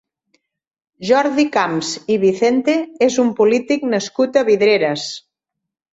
Jordi Camps i Vicente és un polític nascut a Vidreres.